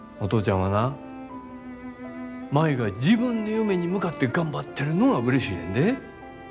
はな舞が自分の夢に向かって頑張ってるのがうれしいねんで。